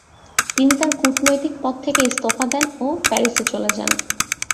তিনি তাঁর কূটনৈতিক পদ থেকে ইস্তফা দেন ও প্যারিসে চলে যান।